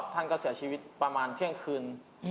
ท่านก็เสียชีวิตประมาณเที่ยงคืน